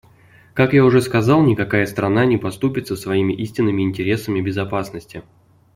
Как я уже сказал, никакая страна не поступится своими истинными интересами безопасности.